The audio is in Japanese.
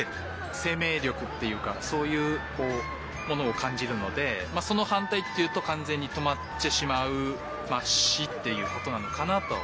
生めい力っていうかそういうものをかんじるのでそのはんたいっていうとかんぜんにとまってしまう「し」っていうことなのかなと。